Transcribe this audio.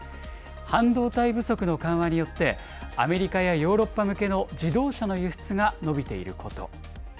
半導体不足の緩和によってアメリカやヨーロッパ向けの自動車の輸出が伸びていること。